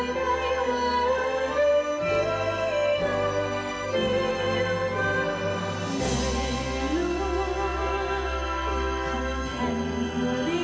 แต่รู้ข้อแผ่นหัวดิน